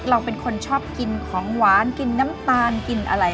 เราเป็นคนชอบกินของหวานกินน้ำตาลกินอะไร